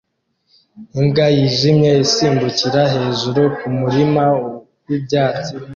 Imbwa yijimye isimbukira hejuru kumurima wibyatsi